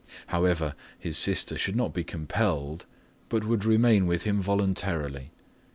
However, his sister should not be compelled but would remain with him voluntarily.